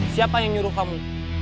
siapa yang nyuruh kamu